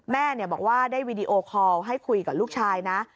แม่บอกว่าได้วีดีโอคอลให้คุยกับลูกชายนะ